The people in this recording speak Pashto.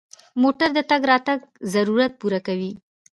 موټر د تګ راتګ ضرورت پوره کوي.